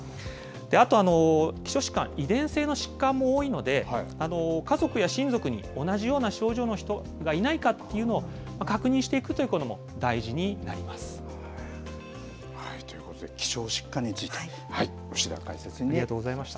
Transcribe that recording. あと、希少疾患、遺伝性の疾患も多いので、家族や親族に同じような症状の人がいないかというのを確認していということで、希少疾患について、牛田解説委員とお伝えしました。